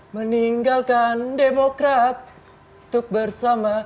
meninggalkan demokrat untuk bersama